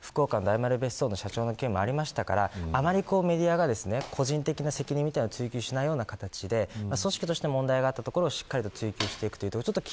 福岡、大丸別荘の社長の件もありましたからメディアがあまり個人的な責任を追及しないような形で組織として問題があったところをしっかりと追求していく。